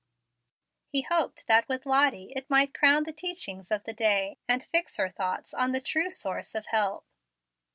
He hoped that with Lottie it might crown the teachings of the day, and fix her thoughts on the true source of help.